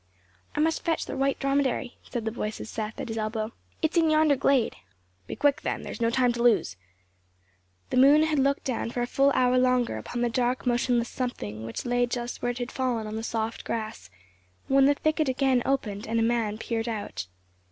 "I must fetch the white dromedary," said the voice of Seth, at his elbow. "It is in yonder glade." "Be quick, then; there is no time to lose!" The moon had looked down for a full hour longer upon the dark motionless something, which lay just where it had fallen on the soft grass, when the thicket again opened and a man peered out.